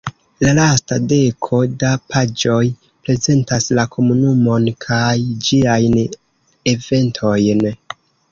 La lasta deko da paĝoj prezentas la komunumon kaj ĝiajn eventojn.